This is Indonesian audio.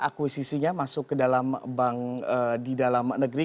akuisisinya masuk ke dalam bank di dalam negeri